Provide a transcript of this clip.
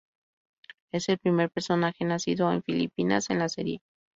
Es el primer personaje nacido en Filipinas en la serie.